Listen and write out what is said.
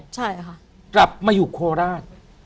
กลับมาอยู่โคราช